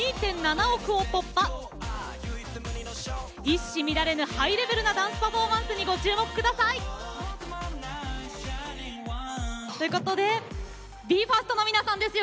一糸乱れぬハイレベルなダンスパフォーマンスにご注目ください。ということでＢＥ：ＦＩＲＳＴの皆さんです。